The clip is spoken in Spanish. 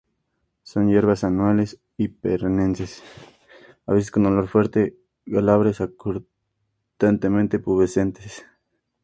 Son hierbas anuales o perennes, a veces con olor fuerte, glabras a cortamente pubescentes.